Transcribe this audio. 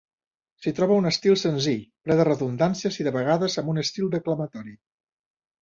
S'hi troba un estil senzill, ple de redundàncies i de vegades amb un estil declamatori.